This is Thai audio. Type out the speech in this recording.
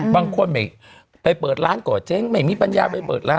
บางคนไม่ไปเปิดร้านก่อเจ๊งไม่มีปัญญาไปเปิดร้าน